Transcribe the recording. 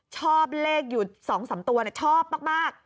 ชอบเลขอยู่๒๓ตัวชอบมาก